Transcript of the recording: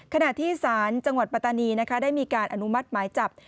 ขณะที่ศาลจังหวัดปัตตานีนะคะได้มีการอนุมัติหมายจับ